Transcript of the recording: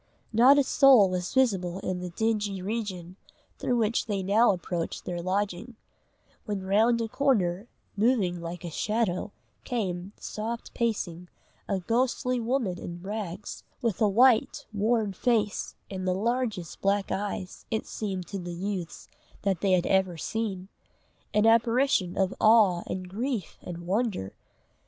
Not a soul was visible in the dingy region through which they now approached their lodging, when round a corner, moving like a shadow, came, soft pacing, a ghostly woman in rags, with a white, worn face, and the largest black eyes, it seemed to the youths that they had ever seen an apparition of awe and grief and wonder.